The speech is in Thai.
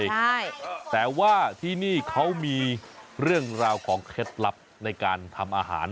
ใช่แต่ว่าที่นี่เขามีเรื่องราวของเคล็ดลับในการทำอาหาร